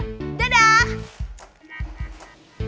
tenang tenang tenang